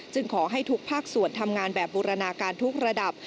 ขอให้ทุกภาคส่วนทำงานแบบบูรณาการทุกระดับ